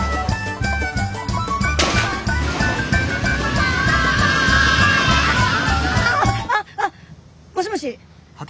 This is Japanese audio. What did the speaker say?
ああもしもし。